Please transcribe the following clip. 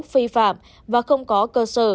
phi phạm và không có cơ sở